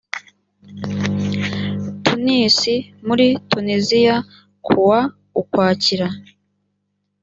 tunis muri tuniziya ku wa ukwakira